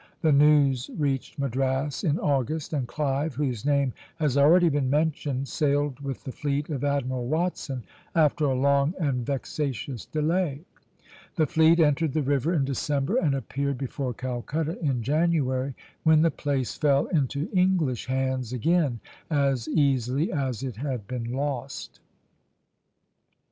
The news reached Madras in August, and Clive, whose name has already been mentioned, sailed with the fleet of Admiral Watson, after a long and vexatious delay. The fleet entered the river in December and appeared before Calcutta in January, when the place fell into English hands again as easily as it had been lost.